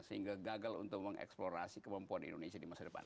sehingga gagal untuk mengeksplorasi kemampuan indonesia di masa depan